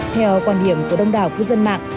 theo quan điểm của đông đảo quốc dân mạng